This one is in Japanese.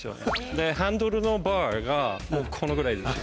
でハンドルのバーがこのぐらいですよ。